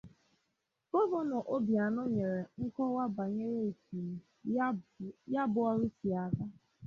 Gọvanọ Obianọ nyere nkọwa banyere etu ya bụ ọrụ si aga